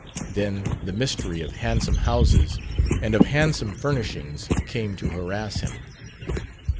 Then the mystery of handsome houses and of handsome furnishings came to harass him.